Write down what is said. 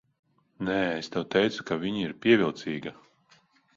Nē, es tev teicu, ka viņa ir pievilcīga.